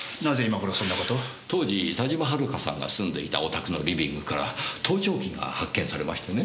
当時田島遥さんが住んでいたお宅のリビングから盗聴器が発見されましてね。